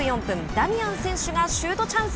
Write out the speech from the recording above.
ダミアン選手がシュートチャンス。